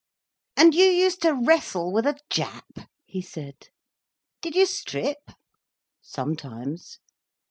"And you used to wrestle with a Jap?" he said. "Did you strip?" "Sometimes."